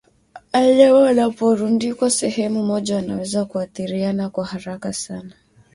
Wanyama wanaporundikwa sehemu moja wanaweza kuathiriana kwa haraka sana